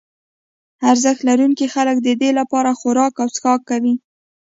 ارزښت لرونکي خلک ددې لپاره خوراک او څښاک کوي.